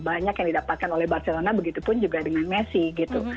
banyak yang didapatkan oleh barcelona begitu pun juga dengan messi gitu